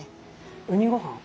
ウニごはん？